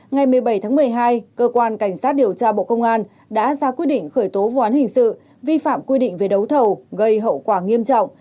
ngày một mươi bảy tháng một mươi hai cơ quan cảnh sát điều tra bộ công an đã ra quyết định khởi tố vụ án hình sự vi phạm quy định về đấu thầu gây hậu quả nghiêm trọng